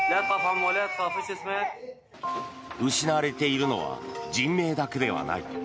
失われているのは人命だけではない。